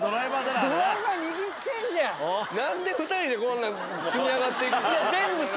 なんで２人でこんなん積み上がっていく。